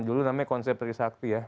dulu namanya konsep trisakti ya